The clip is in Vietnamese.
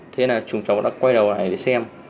thế là chúng chó đã quay đầu lại để xem